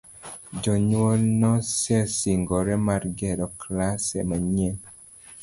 Jonyuol nosesingore mar gero klase manyien.